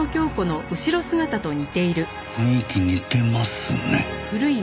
雰囲気似てますね。